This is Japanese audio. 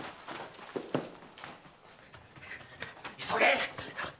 急げ！